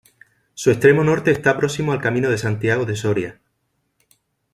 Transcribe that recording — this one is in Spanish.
Su extremo Norte está próximo al Camino de Santiago de Soria.